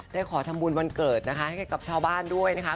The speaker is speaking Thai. ขอทำบุญวันเกิดนะคะให้กับชาวบ้านด้วยนะคะ